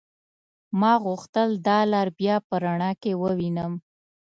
ما غوښتل دا لار بيا په رڼا کې ووينم.